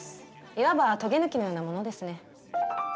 いわばとげ抜きのようなものですね。